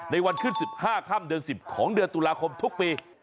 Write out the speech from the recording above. วันขึ้น๑๕ค่ำเดือน๑๐ของเดือนตุลาคมทุกปี